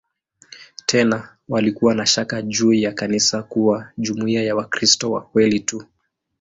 Tena walikuwa na shaka juu ya kanisa kuwa jumuiya ya "Wakristo wa kweli tu".